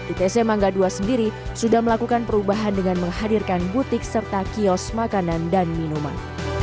itc mangga ii sendiri sudah melakukan perubahan dengan menghadirkan butik serta kios makanan dan minuman